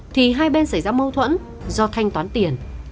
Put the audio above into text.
thì hai bên xảy ra mâu thuẫn do thanh toán tiền